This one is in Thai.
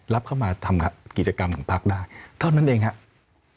รับเข้ามาทำกิจกรรมของพักได้เท่านั้นเองครับ